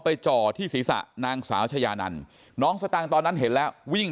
จ่อที่ศีรษะนางสาวชายานันน้องสตางค์ตอนนั้นเห็นแล้ววิ่ง